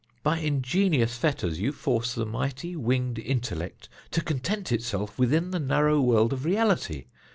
By ingenious fetters you force the mighty winged intellect to content itself within the narrow world of reality.